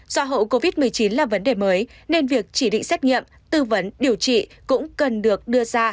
do hậu covid một mươi chín là vấn đề mới nên việc chỉ định xét nghiệm tư vấn điều trị cũng cần được đưa ra